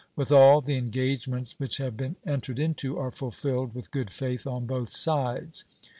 With all, the engagements which have been entered into are fulfilled with good faith on both sides.